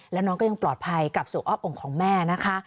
แล้วน้องก็ยังปลอดภัยกลับสู่อ้อมองค์ของแม่นะคะ